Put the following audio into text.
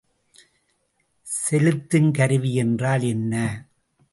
செலுத்துங்கருவி என்றால் என்ன?